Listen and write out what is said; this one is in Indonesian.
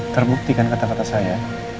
terbukti kan kata kata saya